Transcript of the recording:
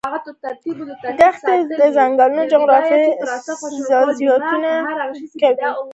دښتې د ځانګړې جغرافیې استازیتوب کوي.